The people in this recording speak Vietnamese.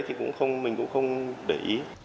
thì mình cũng không để ý